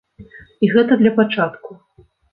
І гэта для пачатку.